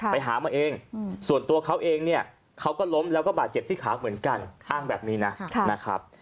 ไปหามาเองส่วนตัวเขาเองเนี่ยเขาก็ล้มแล้วก็บาดเจ็บที่ขาเหมือนกันอ้างแบบนี้นะครับ